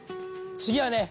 次はね